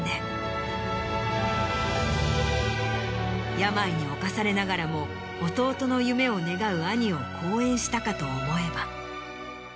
病に侵されながらも弟の夢を願う兄を好演したかと思えば。